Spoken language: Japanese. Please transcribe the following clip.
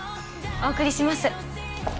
お送りします。